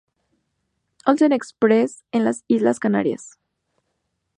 Olsen Express en las Islas Canarias.